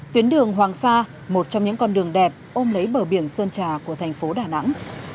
tuyến đường hoàng sa một trong những con đường đẹp ôm lấy bờ biển sơn trà của thành phố đà nẵng